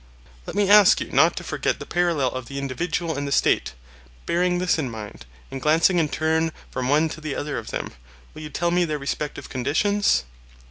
Let me ask you not to forget the parallel of the individual and the State; bearing this in mind, and glancing in turn from one to the other of them, will you tell me their respective conditions?